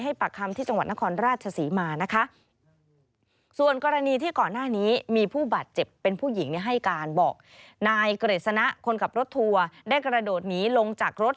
ให้การบอกนายเกรษณะคนขับรถทัวร์ได้กระโดดหนีลงจากรถ